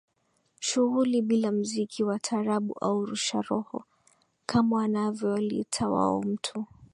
Shughuli bila mziki wa taarabu au rusha roho kama wanavyoliita wao mtu